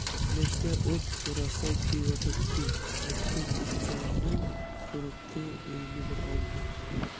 مەشتە ئوت راسا كۆيۈۋاتاتتى، ئەتكەن چاينىڭ پۇرىقى ئۆينى بىر ئالدى.